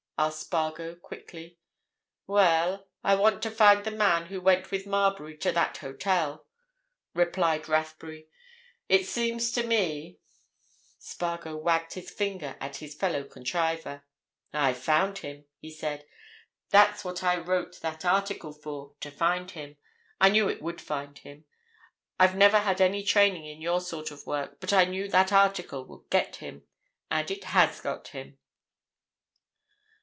asked Spargo, quickly. "Well—I want to find the man who went with Marbury to that hotel," replied Rathbury. "It seems to me—" Spargo wagged his finger at his fellow contriver. "I've found him," he said. "That's what I wrote that article for—to find him. I knew it would find him. I've never had any training in your sort of work, but I knew that article would get him. And it has got him."